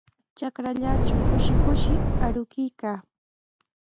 Trakrallaatraw kushi kushi arukuykaa.